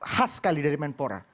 khas sekali dari menpora